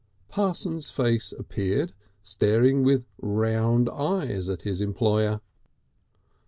Parsons' face appeared, staring with round eyes at his employer.